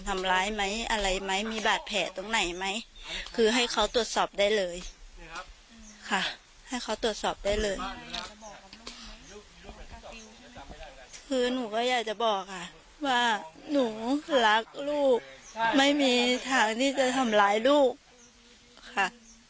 ไม่มีแม่คนไหนที่จะทำร้ายลูกค่ะ